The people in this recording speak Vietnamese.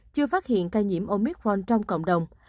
chưa phát hiện ca nhiễm omicron trong cộng đồng